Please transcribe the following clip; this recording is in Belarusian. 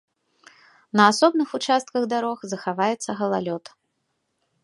На асобных участках дарог захаваецца галалёд.